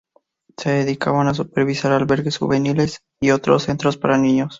Se dedican a supervisar albergues juveniles y otros centros para niños.